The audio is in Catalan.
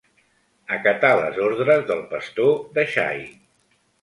Acatà les ordres del pastor de xai.